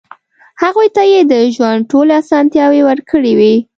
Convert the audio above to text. هغوی ته يې د ژوند ټولې اسانتیاوې ورکړې وې.